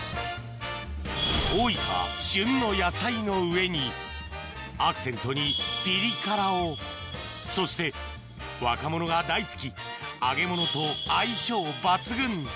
大分旬の野菜の上にアクセントにピリ辛をそして若者が大好き揚げ物と相性抜群